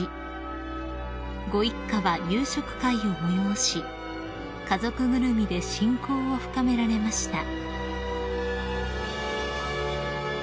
［ご一家は夕食会を催し家族ぐるみで親交を深められました］